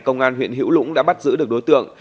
công an huyện hữu lũng đã bắt giữ được đối tượng